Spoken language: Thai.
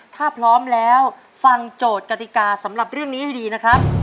ถ้าพร้อมแล้วฟังโจทย์กติกาสำหรับเรื่องนี้ให้ดีนะครับ